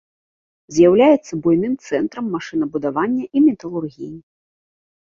З'яўляецца буйным цэнтрам машынабудавання і металургіі.